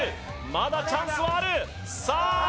まだチャンスはあるさあ